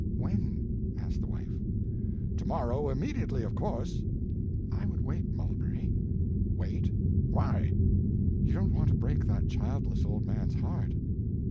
"When?" asked the wife. "To morrow immediately, of course." "I would wait, Mulberry." "Wait? Why?" "You don't want to break that childless old man's heart."